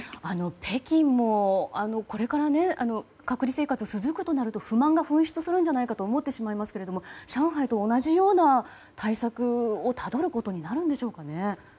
北京も、これから隔離生活が続くとなると不満が噴出するのではと思ってしまうのですが上海と同じような対策をたどることになるのでしょうか。